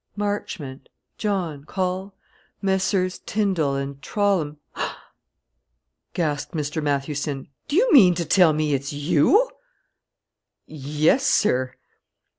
"Marchmont John call Messrs. Tindal and Trollam " gasped Mr. Mathewson. "Do you mean to tell me it's you?" "Yes, sir."